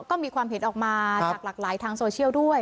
ก็มีความเห็นออกมาจากหลากหลายทางโซเชียลด้วย